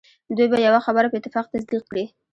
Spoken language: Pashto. دوی به یوه خبره په اتفاق تصدیق کړي.